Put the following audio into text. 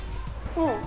うん。